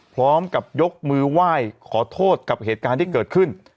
พร้อมกับยกมือไหว้ขอโทษกับเหตุการณ์ที่เกิดขึ้น